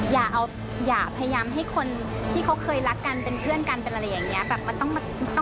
อย่าเอาอย่าพยายามให้คนที่เขาเคยรักกันเป็นเพื่อนกันเป็นอะไรอย่างนี้